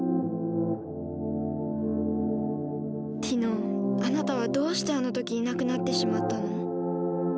ティノあなたはどうしてあの時いなくなってしまったの？